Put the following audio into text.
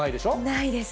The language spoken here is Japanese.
ないです。